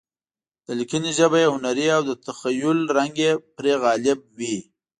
د لیکنې ژبه یې هنري او د تخیل رنګ پرې غالب وي.